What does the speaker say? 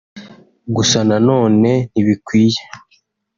Gusa na none ntibikwiye